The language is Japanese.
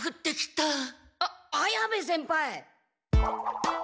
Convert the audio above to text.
あっ綾部先輩！